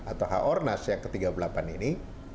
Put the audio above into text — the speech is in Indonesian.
atau h o r n a s yang ke tiga puluh delapan ini